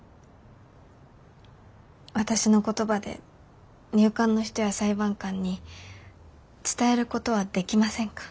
私の言葉で入管の人や裁判官に伝えることはできませんか？